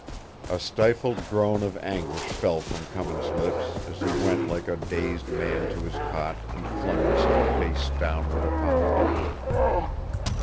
A stifled groan of anguish fell from Cummins' lips as he went like a dazed man to his cot and flung himself face downward upon it.